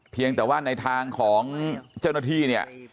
เพียงแต่ว่าในทางของเจ้าหน้าที่เนี่ย